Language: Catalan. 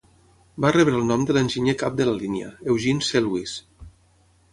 Va rebre el nom de l'enginyer cap de la línia, Eugene C. Lewis.